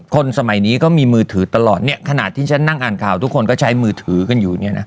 คนสมัยนี้ก็มีมือถือตลอดเนี่ยขนาดที่ฉันนั่งอ่านข่าวทุกคนก็ใช้มือถือกันอยู่เนี่ยนะ